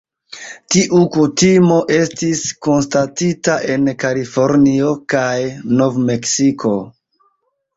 Tiu kutimo estis konstatita en Kalifornio kaj Nov-Meksiko.